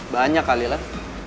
banyak kali lan